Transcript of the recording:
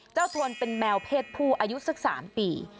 ทวนเป็นแมวเพศผู้อายุสัก๓ปี